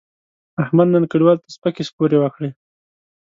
احمد نن کلیوالو ته سپکې سپورې وکړې.